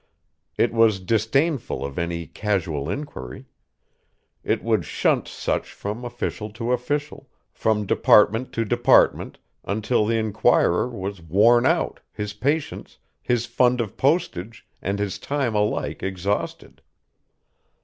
It was disdainful of any casual inquiry; it would shunt such from official to official, from department to department, until the inquirer was worn out, his patience, his fund of postage and his time alike exhausted.